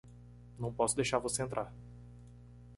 Não posso deixar você entrar